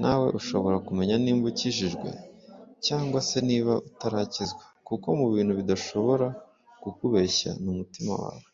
nawe ushobora kumenya niba ukijijwe cyangwa se niba utarakizwa kuko mu bintu bidashobora kukubeshya ni umutima wawe